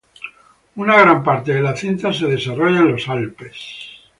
Una gran parte de la cinta se desarrolla en los Alpes.